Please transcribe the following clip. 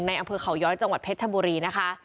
อำเภอเขาย้อยจังหวัดเพชรชบุรีนะคะ